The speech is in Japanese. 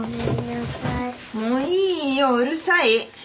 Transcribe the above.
もういいようるさい。